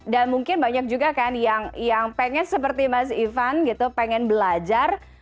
dan mungkin banyak juga kan yang pengen seperti mas ivan gitu pengen belajar